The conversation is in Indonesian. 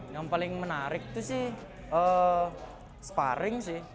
yang paling menarik itu sih sparring sih